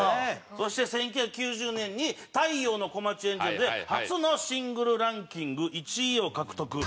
そして１９９０年に『太陽のＫｏｍａｃｈｉＡｎｇｅｌ』で初のシングルランキング１位を獲得。